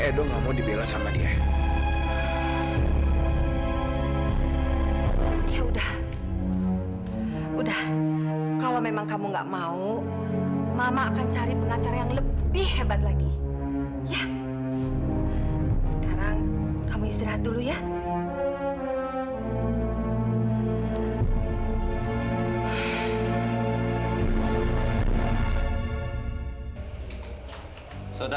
edo meminta kamila untuk mendatangani surat kuasa